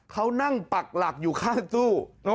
เขานั่งปักหลักอยู่ข้างตู้